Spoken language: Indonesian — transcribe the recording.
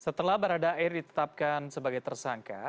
setelah barada air ditetapkan sebagai tersangka